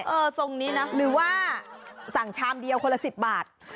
ทรงนี้นะหรือว่าสั่งชามเดียวคนละ๑๐บาท